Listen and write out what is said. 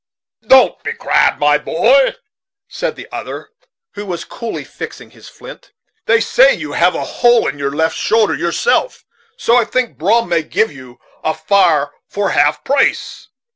"Don't be crabbed, my boy," said the other, who was very coolly fixing his flint. "They say you have a hole in your left shoulder yourself, so I think Brom may give you a fire for half price.